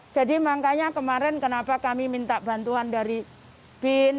jadi makanya kemarin kenapa kami minta bantuan dari bin